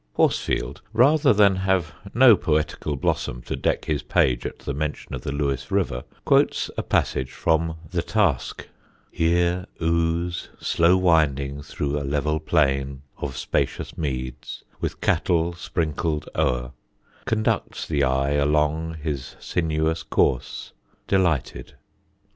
[Illustration: Rodmell.] Horsfield, rather than have no poetical blossom to deck his page at the mention of the Lewes river, quotes a passage from "The Task": Here Ouse, slow winding through a level plain Of spacious meads, with cattle sprinkled o'er, Conducts the eye along his sinuous course Delighted.